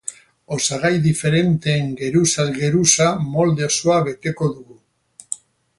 Osagai diferenteen geruzaz geruza molde osoa beteko dugu.